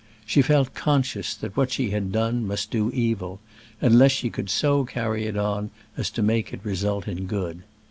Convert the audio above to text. She felt conscious that what she had done must do evil, unless she could so carry it on as to make it result in good.